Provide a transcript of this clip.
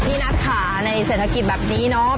นัทค่ะในเศรษฐกิจแบบนี้เนาะ